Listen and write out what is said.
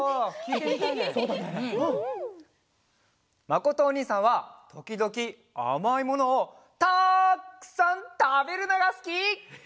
まことおにいさんはときどきあまいものをたくさんたべるのがすき！